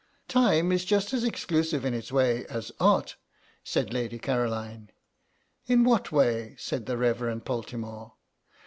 "Time is just as exclusive in its way as Art," said Lady Caroline. "In what way?" said the Reverend Poltimore.